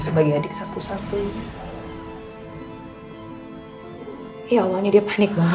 soalnya satu mobil yang lagi dia tangani